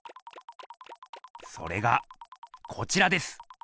それがこちらです！